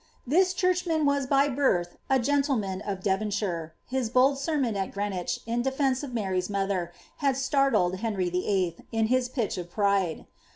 This churchman was by birth a gentleman of Devonshire : his hold sermon at Greenwich, in defence of Mar)'"*s mother, had startled Henry VIII. in his pitch of pride.